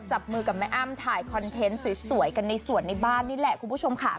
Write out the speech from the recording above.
จับมือกับแม่อ้ำถ่ายคอนเทนต์สวยกันในสวนในบ้านนี่แหละคุณผู้ชมค่ะ